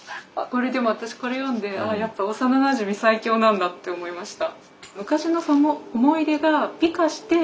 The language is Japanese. でも私これ読んでやっぱ幼なじみ最強なんだって思いました。